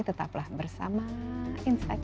tetaplah bersama insight